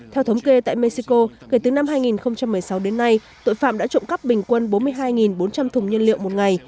theo thống kê tại mexico kể từ năm hai nghìn một mươi sáu đến nay tội phạm đã trộm cắp bình quân bốn mươi hai bốn trăm linh thùng nhiên liệu một ngày